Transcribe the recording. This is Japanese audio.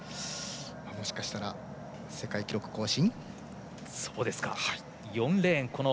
もしかしたら世界記録更新？